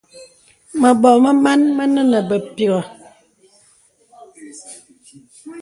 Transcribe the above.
Mə̀bɔ̀ mə màn mə nə́ nə̀ bèpìghə̀.